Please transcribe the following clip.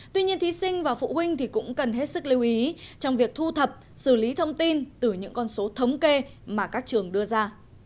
tuy nhiên thí sinh và phụ huynh cũng cần hết sức lưu ý trong việc thu thập xử lý thông tin từ những con số thống kê mà các trường đưa ra